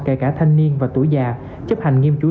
kể cả thanh niên và tuổi già chấp hành nghiêm chủ